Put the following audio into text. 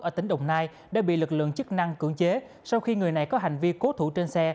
ở tỉnh đồng nai đã bị lực lượng chức năng cưỡng chế sau khi người này có hành vi cố thủ trên xe